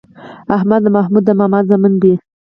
احمد او محمود د ماما زامن دي.